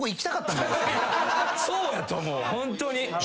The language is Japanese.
そうやと思うホントに。